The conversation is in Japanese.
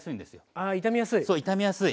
ああ傷みやすい。